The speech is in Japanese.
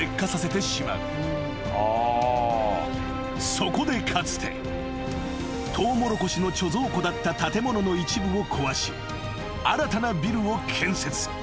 ［そこでかつてトウモロコシの貯蔵庫だった建物の一部を壊し新たなビルを建設。